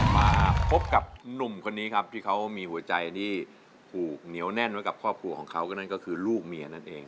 มาพบกับหนุ่มคนนี้ครับที่เขามีหัวใจที่ผูกเหนียวแน่นไว้กับครอบครัวของเขาก็นั่นก็คือลูกเมียนั่นเอง